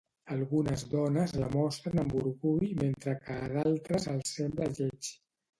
Algunes dones la mostren amb orgull mentre que a d'altres els sembla lleig.